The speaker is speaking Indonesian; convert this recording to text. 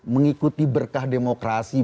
mengikuti berkah demokrasi